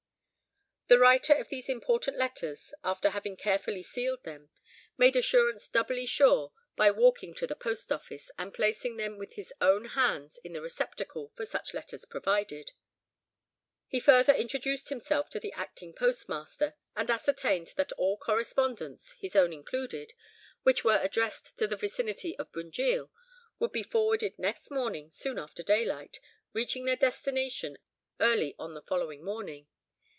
The writer of these important letters, after having carefully sealed them, made assurance doubly sure by walking to the post office, and placing them with his own hands in the receptacle for such letters provided. He further introduced himself to the acting postmaster, and ascertained that all correspondence—his own included—which were addressed to the vicinity of Bunjil, would be forwarded next morning soon after daylight, reaching their destination early on the following morning.